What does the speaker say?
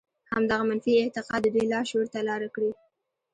همدغه منفي اعتقاد د دوی لاشعور ته لاره کړې